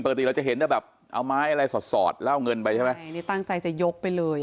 ปกติเราจะเห็นแต่แบบเอาไม้อะไรสอดสอดแล้วเอาเงินไปใช่ไหมใช่นี่ตั้งใจจะยกไปเลย